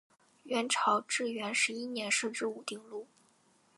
元朝至元十一年设置武定路。